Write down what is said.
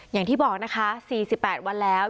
อย่างที่บอกนะคะ๔๘วันแล้ว